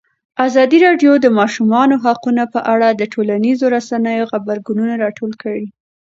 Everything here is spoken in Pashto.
ازادي راډیو د د ماشومانو حقونه په اړه د ټولنیزو رسنیو غبرګونونه راټول کړي.